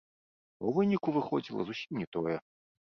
А ў выніку выходзіла зусім не тое.